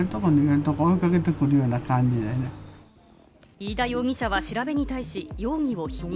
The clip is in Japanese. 飯田容疑者は調べに対し容疑を否認。